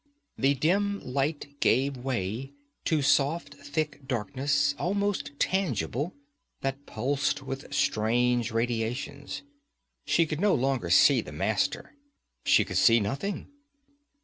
The dim light gave way to soft, thick darkness, almost tangible, that pulsed with strange radiations. She could no longer see the Master. She could see nothing.